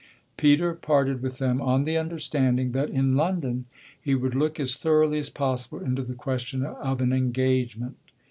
Peter parted with them on the understanding that in London he would look as thoroughly as possible into the question of an engagement.